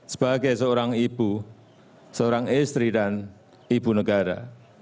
sebagai seorang ibu seorang istri dan ibu negara